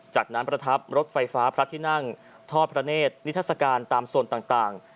จากนั้นประทับรถไฟฟ้าพระที่นั่งทอดพระเนธนิทรศการตามโซนต่าง